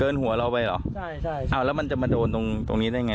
หัวเราไปเหรอใช่ใช่อ้าวแล้วมันจะมาโดนตรงตรงนี้ได้ไง